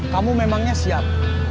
kamu memangnya siap